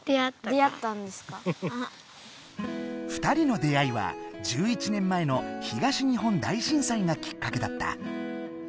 ２人の出会いは１１年前の東日本大震災がきっかけだった。